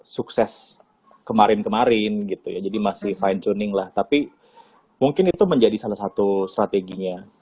sukses kemarin kemarin gitu ya jadi masih fine tuning lah tapi mungkin itu menjadi salah satu strateginya